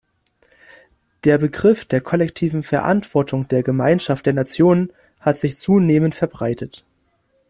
Der Begriff der kollektiven Verantwortung der Gemeinschaft der Nationen hat sich zunehmend verbreitet.